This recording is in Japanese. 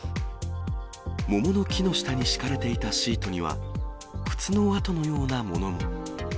桃の木の下に敷かれていたシートには、靴の跡のようなものも。